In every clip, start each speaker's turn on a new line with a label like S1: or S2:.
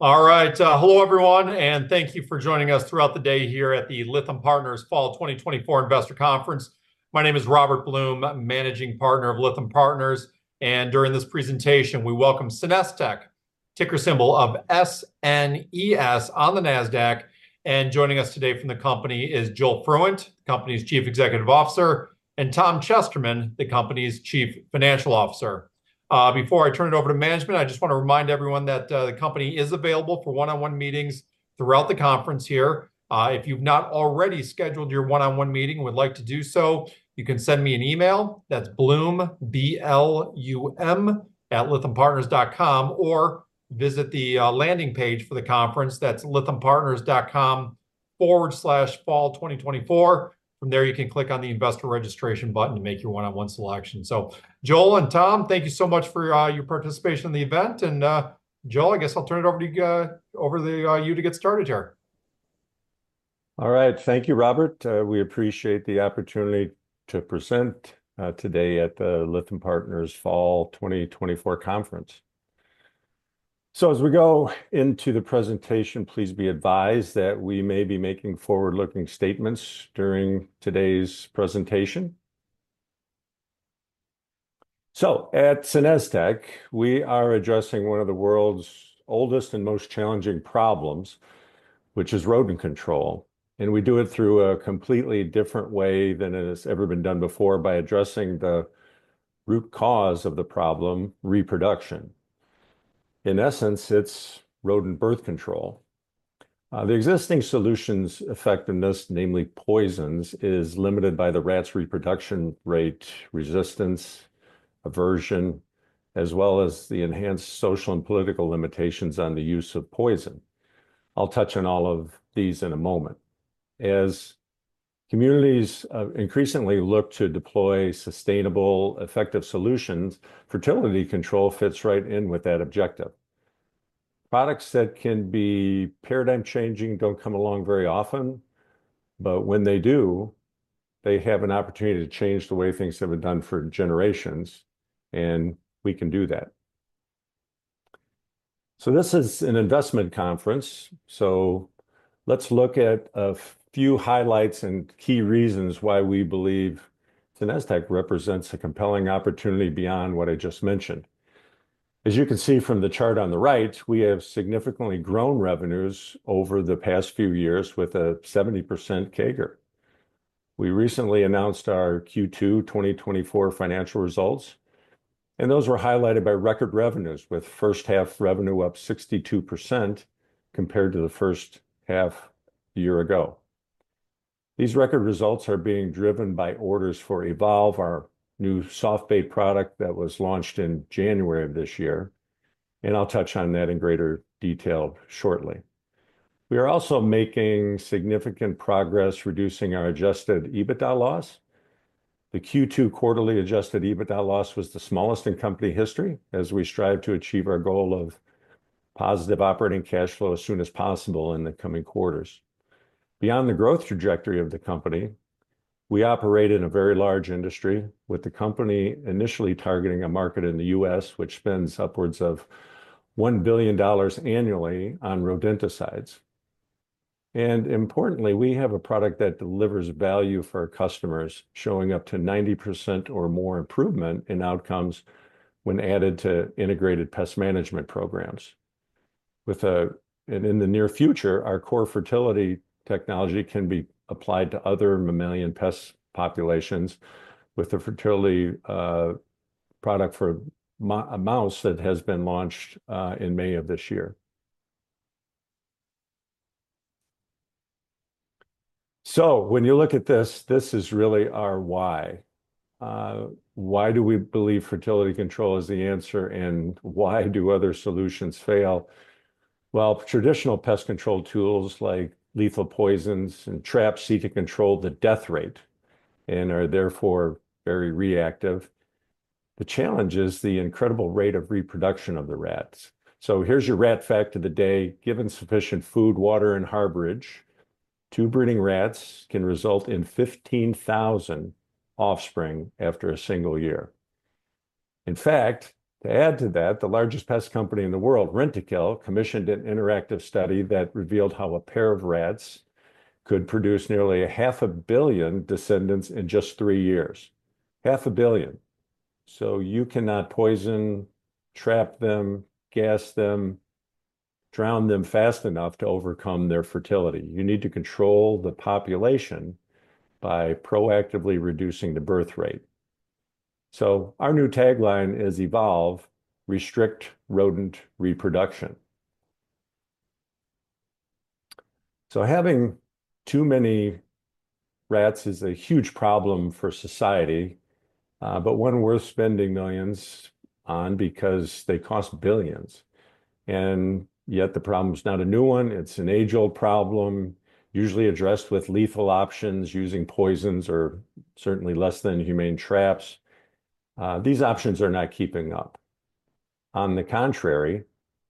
S1: All right, hello, everyone, and thank you for joining us throughout the day here at the Lytham Partners Fall 2024 Investor Conference. My name is Robert Blum, Managing Partner of Lytham Partners, and during this presentation, we welcome SenesTech, ticker symbol SNES on the NASDAQ. Joining us today from the company is Joel Fruendt, the company's Chief Executive Officer, and Tom Chesterman, the company's Chief Financial Officer. Before I turn it over to management, I just want to remind everyone that the company is available for one-on-one meetings throughout the conference here. If you've not already scheduled your one-on-one meeting and would like to do so, you can send me an email. That's blum, B-L-U-M, @lythampartners.com, or visit the landing page for the conference. That's lythampartners.com/fall2024. From there, you can click on the Investor Registration button to make your one-on-one selection. So, Joel and Tom, thank you so much for your participation in the event, and Joel, I guess I'll turn it over to you to get started here.
S2: All right. Thank you, Robert. We appreciate the opportunity to present today at the Lytham Partners Fall 2024 Conference. So, as we go into the presentation, please be advised that we may be making forward-looking statements during today's presentation. So at SenesTech, we are addressing one of the world's oldest and most challenging problems, which is rodent control, and we do it through a completely different way than it has ever been done before by addressing the root cause of the problem: reproduction. In essence, it's rodent birth control. The existing solutions' effectiveness, namely poisons, is limited by the rats' reproduction rate, resistance, aversion, as well as the enhanced social and political limitations on the use of poison. I'll touch on all of these in a moment. As communities increasingly look to deploy sustainable, effective solutions, fertility control fits right in with that objective. Products that can be paradigm-changing don't come along very often, but when they do, they have an opportunity to change the way things have been done for generations, and we can do that. So this is an investment conference, so let's look at a few highlights and key reasons why we believe SenesTech represents a compelling opportunity beyond what I just mentioned. As you can see from the chart on the right, we have significantly grown revenues over the past few years with a 70% CAGR. We recently announced our Q2 2024 financial results, and those were highlighted by record revenues, with first half revenue up 62% compared to the first half a year ago. These record results are being driven by orders for Evolve, our new soft bait product that was launched in January of this year, and I'll touch on that in greater detail shortly. We are also making significant progress reducing our Adjusted EBITDA loss. The Q2 quarterly Adjusted EBITDA loss was the smallest in company history, as we strive to achieve our goal of positive operating cash flow as soon as possible in the coming quarters. Beyond the growth trajectory of the company, we operate in a very large industry, with the company initially targeting a market in the U.S., which spends upwards of $1 billion annually on rodenticides. And importantly, we have a product that delivers value for our customers, showing up to 90% or more improvement in outcomes when added to integrated pest management programs. And in the near future, our core fertility technology can be applied to other mammalian pest populations with the fertility product for a mouse that has been launched in May of this year. When you look at this, this is really our why. Why do we believe fertility control is the answer, and why do other solutions fail? Traditional pest control tools like lethal poisons and traps seek to control the death rate and are therefore very reactive. The challenge is the incredible rate of reproduction of the rats. Here's your rat fact of the day: Given sufficient food, water, and harborage, two breeding rats can result in 15,000 offspring after a single year. In fact, to add to that, the largest pest company in the world, Rentokil, commissioned an interactive study that revealed how a pair of rats could produce nearly 500 million descendants in just three years. 500 million. You cannot poison, trap them, gas them, drown them fast enough to overcome their fertility. You need to control the population by proactively reducing the birth rate. So our new tagline is: "Evolve. Restrict rodent reproduction." So having too many rats is a huge problem for society, but one worth spending millions on because they cost billions, and yet the problem's not a new one. It's an age-old problem, usually addressed with lethal options using poisons or certainly less than humane traps. These options are not keeping up. On the contrary,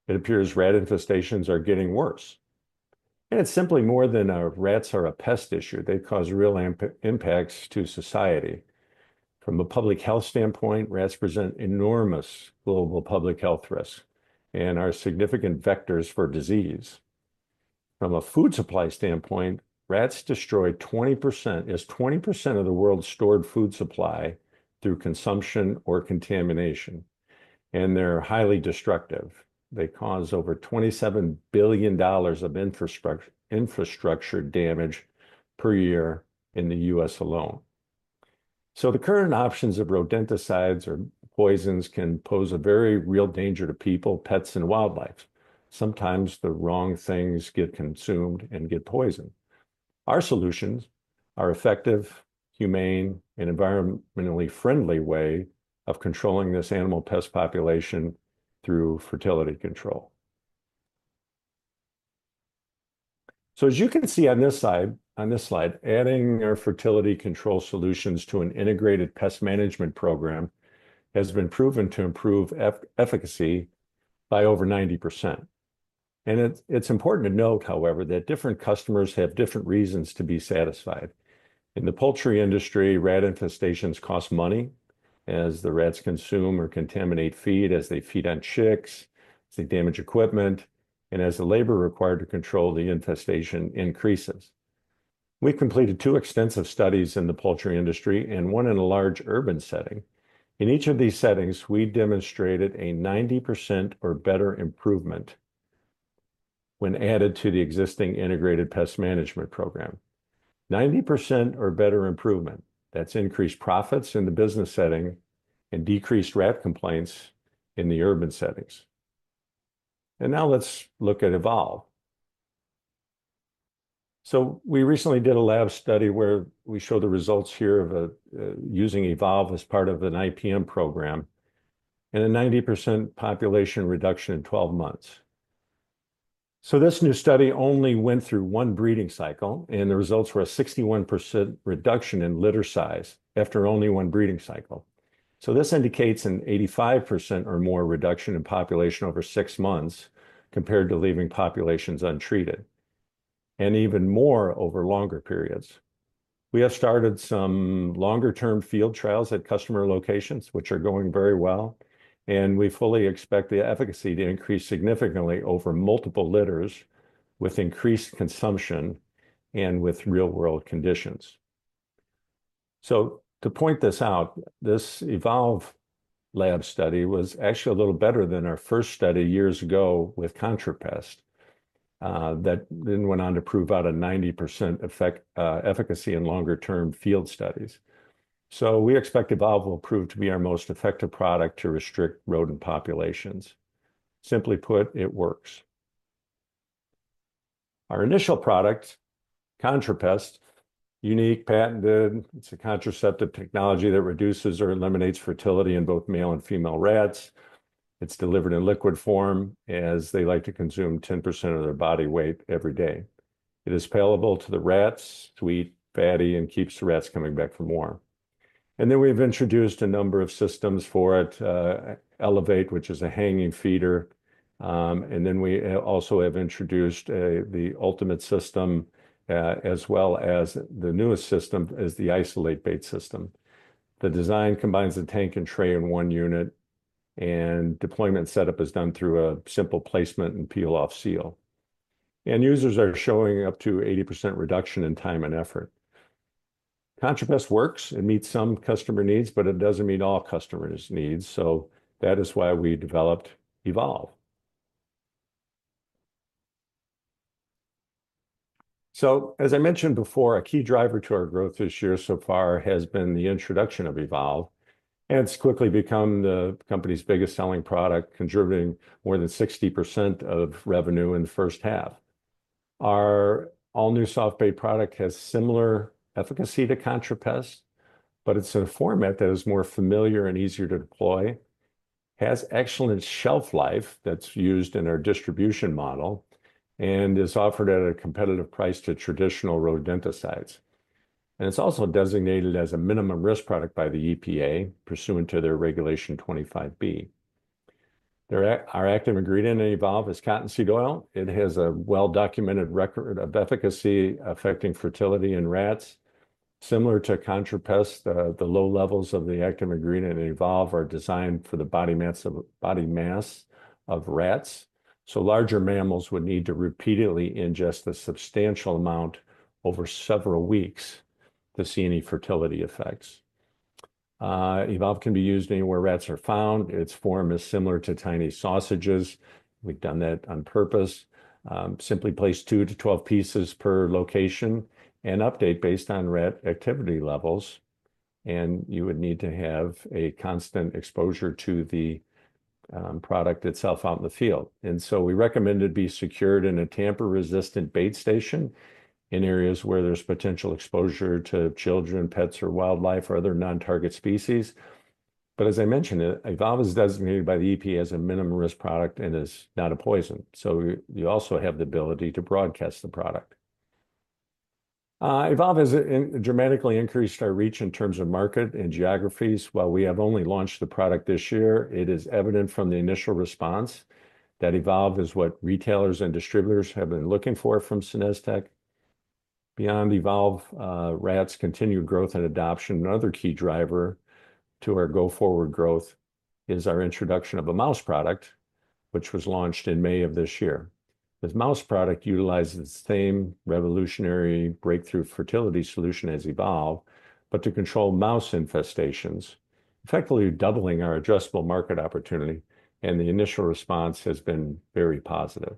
S2: it appears rat infestations are getting worse, and it's simply more than rats are a pest issue. They cause real impacts to society. From a public health standpoint, rats present enormous global public health risks and are significant vectors for disease. From a food supply standpoint, rats destroy 20%, yes, 20% of the world's stored food supply through consumption or contamination, and they're highly destructive. They cause over $27 billion of infrastructure damage per year in the U.S. alone. So the current options of rodenticides or poisons can pose a very real danger to people, pets, and wildlife. Sometimes the wrong things get consumed and get poisoned. Our solutions are effective, humane, and environmentally friendly way of controlling this animal pest population through fertility control. So as you can see on this side, on this slide, adding our fertility control solutions to an integrated pest management program has been proven to improve efficacy by over 90%. It's important to note, however, that different customers have different reasons to be satisfied. In the poultry industry, rat infestations cost money as the rats consume or contaminate feed, as they feed on chicks, as they damage equipment, and as the labor required to control the infestation increases. We completed two extensive studies in the poultry industry and one in a large urban setting. In each of these settings, we demonstrated a 90% or better improvement when added to the existing Integrated Pest Management program. 90% or better improvement, that's increased profits in the business setting and decreased rat complaints in the urban settings. And now let's look at Evolve. So, we recently did a lab study where we show the results here of using Evolve as part of an IPM program, and a 90% population reduction in 12 months. So this new study only went through one breeding cycle, and the results were a 61% reduction in litter size after only one breeding cycle. So this indicates an 85% or more reduction in population over six months compared to leaving populations untreated, and even more over longer periods. We have started some longer-term field trials at customer locations, which are going very well, and we fully expect the efficacy to increase significantly over multiple litters with increased consumption and with real-world conditions. So, to point this out, this Evolve lab study was actually a little better than our first study years ago with ContraPest, that then went on to prove about a 90% effect, efficacy in longer-term field studies. So, we expect Evolve will prove to be our most effective product to restrict rodent populations. Simply put, it works. Our initial product, ContraPest, unique, patented, it's a contraceptive technology that reduces or eliminates fertility in both male and female rats. It's delivered in liquid form, as they like to consume 10% of their body weight every day. It is palatable to the rats, sweet, fatty, and keeps the rats coming back for more. And then we've introduced a number of systems for it, Elevate, which is a hanging feeder. And then we also have introduced the Ultimate System, as well as the newest system is the Isolate Bait System. The design combines the tank and tray in one unit, and deployment setup is done through a simple placement and peel-off seal. And users are showing up to 80% reduction in time and effort. ContraPest works and meets some customer needs, but it doesn't meet all customers' needs, so that is why we developed Evolve. So, as I mentioned before, a key driver to our growth this year so far has been the introduction of Evolve, and it's quickly become the company's biggest-selling product, contributing more than 60% of revenue in the first half. Our all-new soft bait product has similar efficacy to ContraPest, but it's in a format that is more familiar and easier to deploy, has excellent shelf life that's used in our distribution model, and is offered at a competitive price to traditional rodenticides. And it's also designated as a minimum-risk product by the EPA, pursuant to their Regulation 25(b). Our active ingredient in Evolve is cottonseed oil. It has a well-documented record of efficacy affecting fertility in rats. Similar to ContraPest, the low levels of the active ingredient in Evolve are designed for the body mass of rats, so larger mammals would need to repeatedly ingest a substantial amount over several weeks to see any fertility effects. Evolve can be used anywhere rats are found. Its form is similar to tiny sausages. We've done that on purpose. Simply place 2 to 12 pieces per location and update based on rat activity levels, and you would need to have a constant exposure to the product itself out in the field. And so, we recommend it be secured in a tamper-resistant bait station in areas where there's potential exposure to children, pets, or wildlife, or other non-target species. But as I mentioned, Evolve is designated by the EPA as a minimum-risk product and is not a poison, so you also have the ability to broadcast the product. Evolve has dramatically increased our reach in terms of market and geographies. While we have only launched the product this year, it is evident from the initial response that Evolve is what retailers and distributors have been looking for from SenesTech. Beyond Evolve Rat's continued growth and adoption, another key driver to our go-forward growth is our introduction of a mouse product, which was launched in May of this year. This mouse product utilizes the same revolutionary breakthrough fertility solution as Evolve, but to control mouse infestations, effectively doubling our addressable market opportunity, and the initial response has been very positive.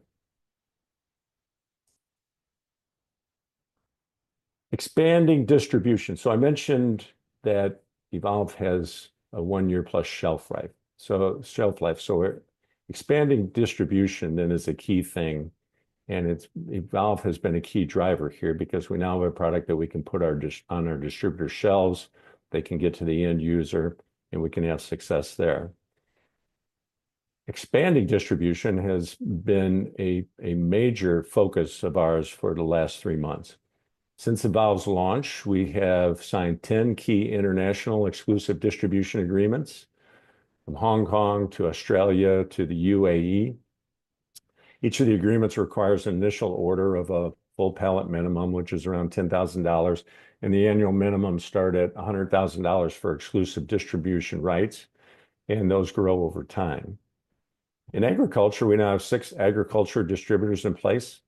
S2: Expanding distribution. I mentioned that Evolve has a one-year-plus shelf life. Expanding distribution then is a key thing and Evolve has been a key driver here because we now have a product that we can put on our distributor shelves. They can get to the end user, and we can have success there. Expanding distribution has been a major focus of ours for the last three months. Since Evolve's launch, we have signed 10 key international exclusive distribution agreements, from Hong Kong to Australia to the UAE. Each of the agreements requires an initial order of a full pallet minimum, which is around $10,000, and the annual minimums start at $100,000 for exclusive distribution rights, and those grow over time. In agriculture, we now have 6 agriculture distributors in place.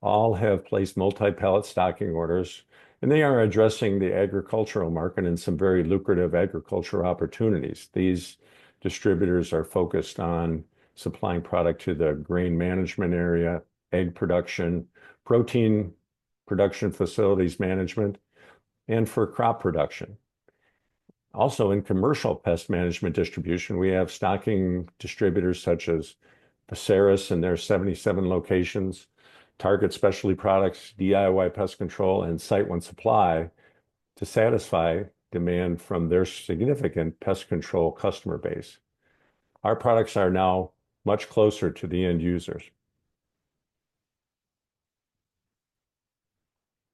S2: All have placed multi-pallet stocking orders, and they are addressing the agricultural market and some very lucrative agricultural opportunities. These distributors are focused on supplying product to the grain management area, egg production, protein production facilities management, and for crop production. Also, in commercial pest management distribution, we have stocking distributors such as Veseris and their 77 locations, Target Specialty Products, DIY Pest Control, and SiteOne Supply to satisfy demand from their significant pest control customer base. Our products are now much closer to the end users.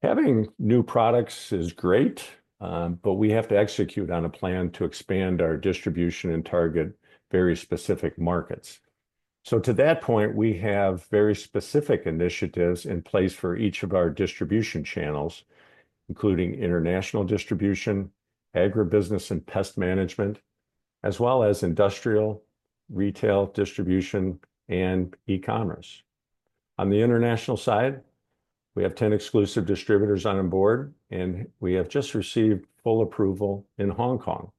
S2: Having new products is great, but we have to execute on a plan to expand our distribution and target very specific markets. So, to that point, we have very specific initiatives in place for each of our distribution channels, including international distribution, agribusiness, and pest management, as well as industrial, retail distribution, and e-commerce. On the international side, we have 10 exclusive distributors on board, and we have just received full approval in Hong Kong.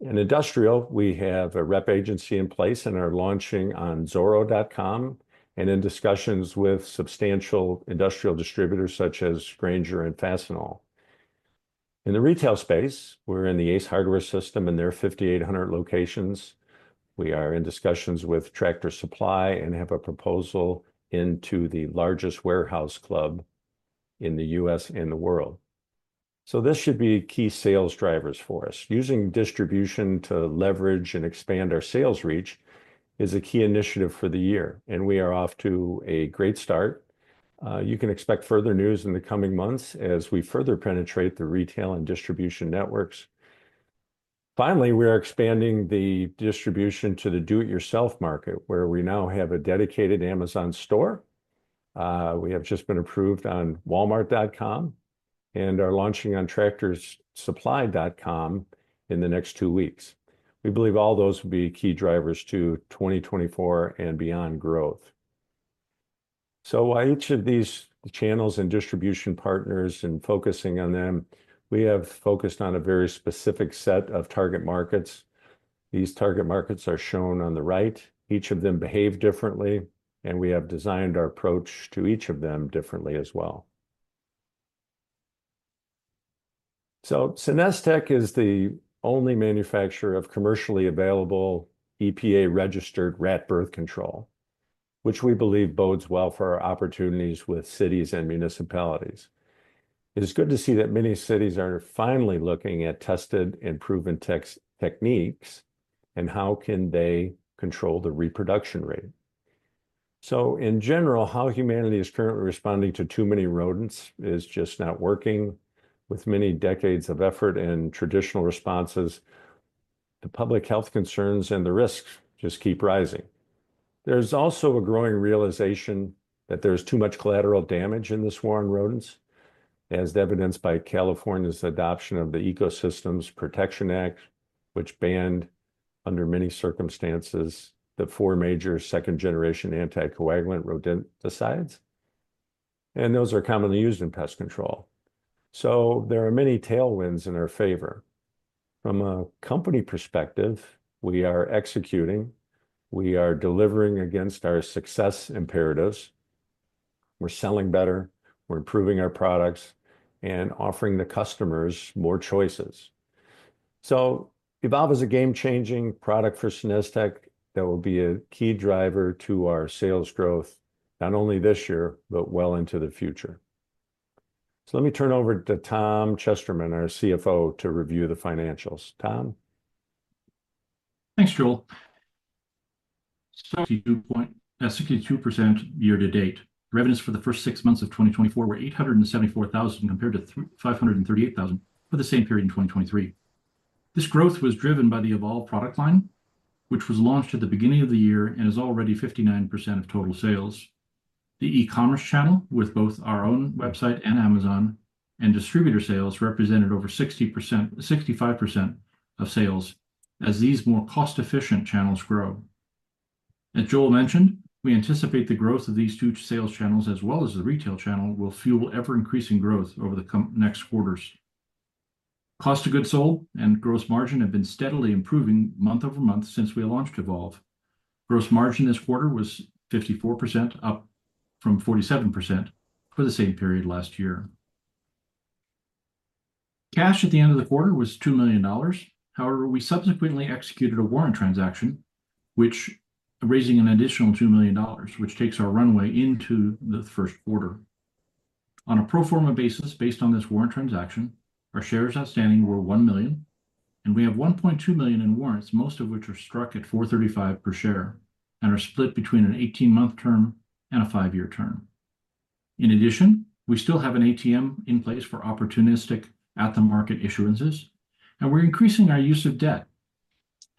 S2: In industrial, we have a rep agency in place and are launching on Zoro.com and in discussions with substantial industrial distributors such as Grainger and Fastenal. In the retail space, we're in the Ace Hardware system and their 5,800 locations. We are in discussions with Tractor Supply and have a proposal into the largest warehouse club in the U.S. and the world. This should be key sales drivers for us. Using distribution to leverage and expand our sales reach is a key initiative for the year, and we are off to a great start. You can expect further news in the coming months as we further penetrate the retail and distribution networks. Finally, we are expanding the distribution to the do-it-yourself market, where we now have a dedicated Amazon store. We have just been approved on Walmart.com and are launching on TractorSupply.com in the next two weeks. We believe all those will be key drivers to 2024 and beyond growth. While each of these channels and distribution partners and focusing on them, we have focused on a very specific set of target markets. These target markets are shown on the right. Each of them behave differently, and we have designed our approach to each of them differently as well. SenesTech is the only manufacturer of commercially available EPA-registered rat birth control, which we believe bodes well for our opportunities with cities and municipalities. It is good to see that many cities are finally looking at tested and proven techniques, and how can they control the reproduction rate? In general, how humanity is currently responding to too many rodents is just not working. With many decades of effort and traditional responses, the public health concerns and the risks just keep rising. There's also a growing realization that there's too much collateral damage in the war on rodents, as evidenced by California's adoption of the Ecosystems Protection Act, which banned, under many circumstances, the four major second-generation anticoagulant rodenticides, and those are commonly used in pest control. So there are many tailwinds in our favor. From a company perspective, we are executing, we are delivering against our success imperatives, we're selling better, we're improving our products, and offering the customers more choices. So Evolve is a game-changing product for SenesTech that will be a key driver to our sales growth, not only this year, but well into the future. So let me turn over to Tom Chesterman, our CFO, to review the financials. Tom?...
S3: Thanks, Joel. 62.62% year to date. Revenues for the first six months of 2024 were $874,000, compared to $538,000 for the same period in 2023. This growth was driven by the Evolve product line, which was launched at the beginning of the year and is already 59% of total sales. The e-commerce channel, with both our own website and Amazon, and distributor sales represented over 60%... 65% of sales, as these more cost-efficient channels grow. As Joel mentioned, we anticipate the growth of these two sales channels, as well as the retail channel, will fuel ever-increasing growth over the next quarters. Cost of goods sold and gross margin have been steadily improving month over month since we launched Evolve. Gross margin this quarter was 54%, up from 47% for the same period last year. Cash at the end of the quarter was $2 million. However, we subsequently executed a warrant transaction, which, raising an additional $2 million, which takes our runway into the first quarter. On a pro forma basis, based on this warrant transaction, our shares outstanding were 1 million, and we have 1.2 million in warrants, most of which are struck at $4.35 per share and are split between an 18-month term and a 5-year term. In addition, we still have an ATM in place for opportunistic At-the-Market issuances, and we're increasing our use of debt.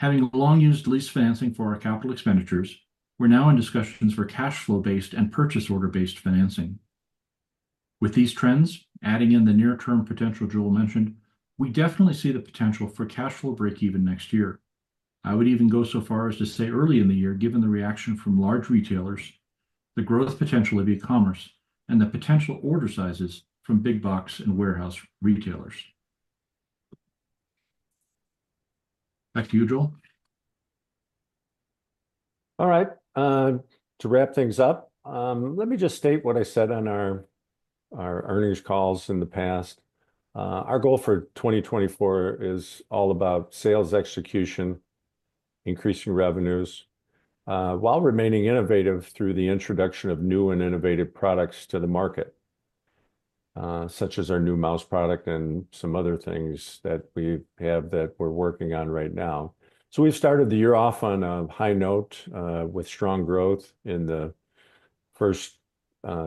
S3: Having long used lease financing for our capital expenditures, we're now in discussions for cashflow-based and purchase order-based financing. With these trends, adding in the near-term potential Joel mentioned, we definitely see the potential for cashflow breakeven next year. I would even go so far as to say early in the year, given the reaction from large retailers, the growth potential of e-commerce, and the potential order sizes from big box and warehouse retailers. Back to you, Joel.
S2: All right, to wrap things up, let me just state what I said on our earnings calls in the past. Our goal for 2024 is all about sales execution, increasing revenues, while remaining innovative through the introduction of new and innovative products to the market, such as our new mouse product and some other things that we have that we're working on right now. So, we've started the year off on a high note, with strong growth in the first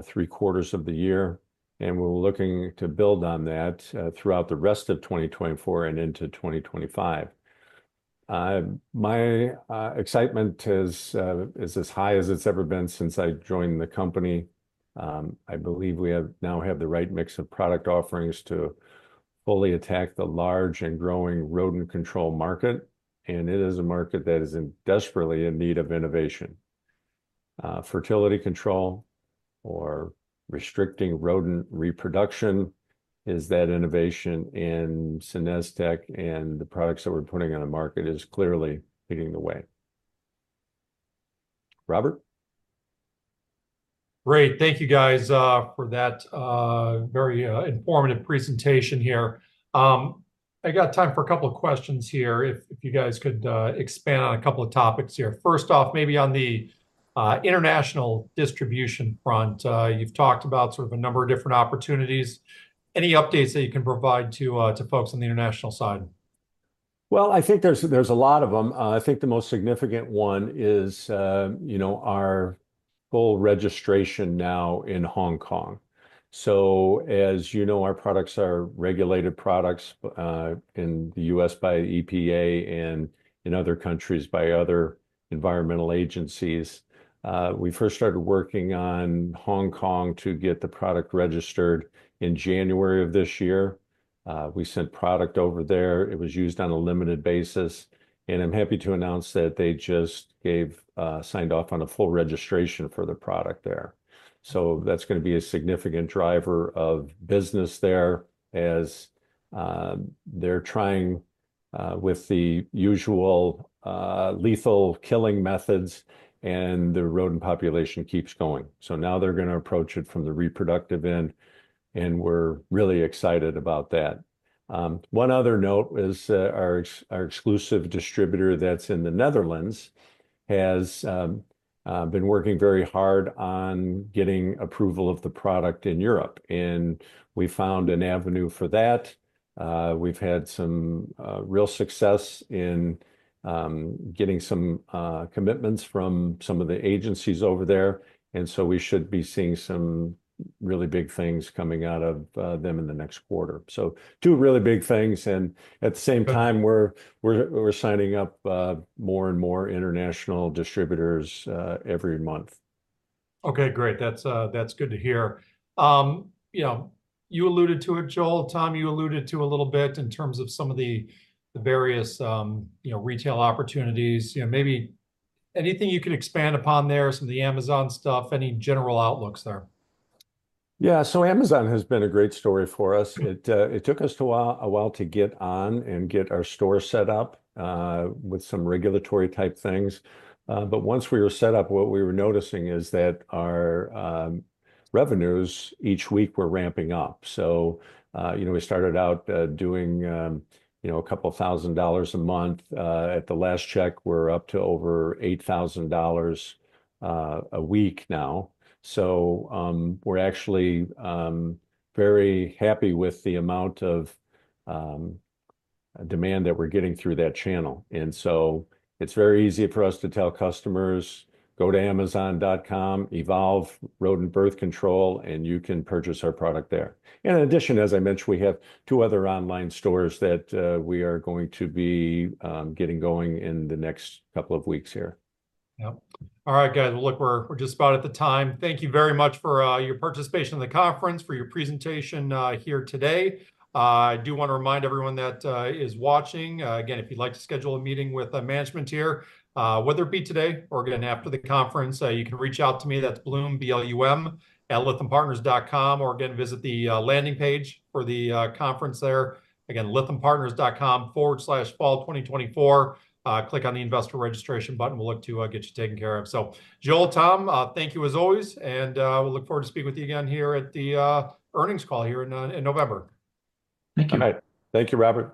S2: three quarters of the year, and we're looking to build on that, throughout the rest of 2024 and into 2025. My excitement is as high as it's ever been since I joined the company. I believe we have... Now have the right mix of product offerings to fully attack the large and growing rodent control market, and it is a market that is desperately in need of innovation. Fertility control or restricting rodent reproduction is that innovation, and SenesTech and the products that we're putting on the market is clearly leading the way. Robert?
S1: Great. Thank you, guys, for that very informative presentation here. I got time for a couple of questions here, if you guys could expand on a couple of topics here. First off, maybe on the international distribution front, you've talked about sort of a number of different opportunities. Any updates that you can provide to folks on the international side?
S2: I think there's a lot of them. I think the most significant one is, you know, our full registration now in Hong Kong. So, as you know, our products are regulated products in the U.S. by EPA and in other countries by other environmental agencies. We first started working on Hong Kong to get the product registered in January of this year. We sent product over there. It was used on a limited basis, and I'm happy to announce that they just signed off on a full registration for the product there. So that's gonna be a significant driver of business there as they're trying with the usual lethal killing methods, and the rodent population keeps going. So now they're gonna approach it from the reproductive end, and we're really excited about that. One other note is, our exclusive distributor that's in the Netherlands has been working very hard on getting approval of the product in Europe, and we found an avenue for that. We've had some real success in getting some commitments from some of the agencies over there, and so we should be seeing some really big things coming out of them in the next quarter. So, two really big things, and at the same time, we're signing up more and more international distributors every month.
S1: Okay, great. That's, that's good to hear. You know, you alluded to it, Joel. Tom, you alluded to a little bit in terms of some of the, the various, you know, retail opportunities. You know, maybe anything you can expand upon there, some of the Amazon stuff, any general outlooks there?
S2: Yeah, so Amazon has been a great story for us. It took us a while to get on and get our store set up with some regulatory-type things. But once we were set up, what we were noticing is that our revenues each week were ramping up. So, you know, we started out doing you know, a couple of thousand dollars a month. At the last check, we're up to over $8,000 a week now. So, we're actually very happy with the amount of demand that we're getting through that channel, and so it's very easy for us to tell customers, "Go to Amazon.com, Evolve Rodent Birth Control, and you can purchase our product there." And in addition, as I mentioned, we have two other online stores that we are going to be getting going in the next couple of weeks here.
S1: Yep. All right, guys. Well, look, we're just about at the time. Thank you very much for your participation in the conference, for your presentation here today. I do want to remind everyone that is watching again, if you'd like to schedule a meeting with the management here, whether it be today or again after the conference, you can reach out to me. That's Blum, B-L-U-M, @lythampartners.com, or again, visit the landing page for the conference there. Again, lythampartners.com/fall2024. Click on the Investor Registration button. We'll look to get you taken care of. So, Joel, Tom, thank you as always, and we look forward to speaking with you again here at the earnings call here in November.
S3: Thank you.
S2: All right. Thank you, Robert.